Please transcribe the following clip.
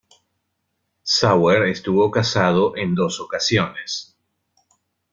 Sauer estuvo casado en dos ocasiones.